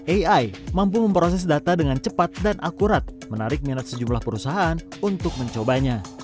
ai mampu memproses data dengan cepat dan akurat menarik minat sejumlah perusahaan untuk mencobanya